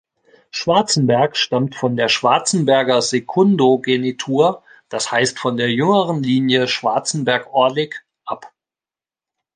Schwarzenberg stammt von der Schwarzenberger Sekundogenitur, das heißt von der jüngeren Linie Schwarzenberg-Orlik, ab.